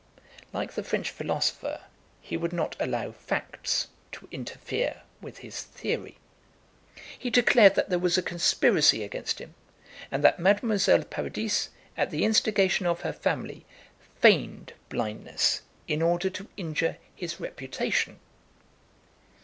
Like the French philosopher, he would not allow facts to interfere with his theory. He declared that there was a conspiracy against him; and that Mademoiselle Paradis, at the instigation of her family, feigned blindness in order to injure his reputation!